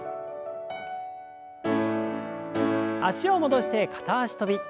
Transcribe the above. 脚を戻して片脚跳び。